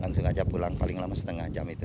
langsung saja pulang paling lama setengah jam itu